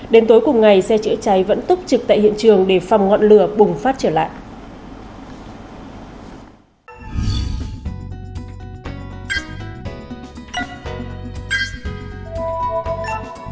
đến tối cùng ngày xe chữa cháy vẫn túc trực tại hiện trường để phòng ngọn lửa bùng phát trở lại